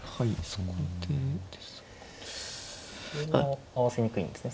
桂馬は合わせにくいんですね。